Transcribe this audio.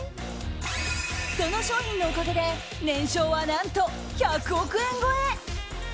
その商品のおかげで年商は何と１００億円超え！